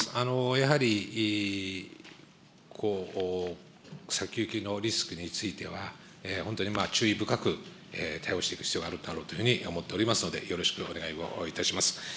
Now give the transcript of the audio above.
やはり先行きのリスクについては本当に注意深く、対応して必要があるんだろうというふうに思っておりますので、よろしくお願いをいたします。